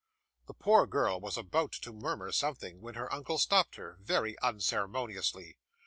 The poor girl was about to murmur something, when her uncle stopped her, very unceremoniously.